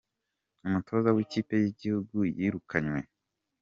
Umutoza wi ikipe yigihugu yirukanywe